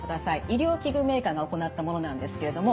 医療器具メーカーが行ったものなんですけれども。